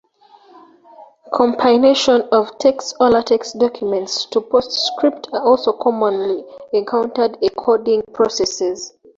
Compilation of TeX or LaTeX documents to PostScript are also commonly encountered encoding processes.